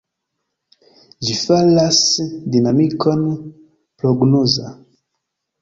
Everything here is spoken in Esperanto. Ĝi faras dinamikon prognoza.